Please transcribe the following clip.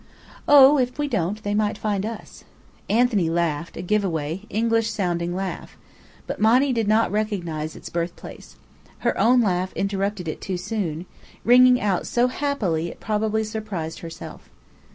"Oh, if we don't, they might find us." Anthony laughed a give away, English sounding laugh. But Monny did not recognize its birthplace. Her own laugh interrupted it too soon, ringing out so happily, it probably surprised herself.